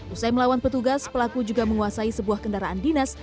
usai melawan petugas pelaku juga menguasai sebuah kendaraan dinas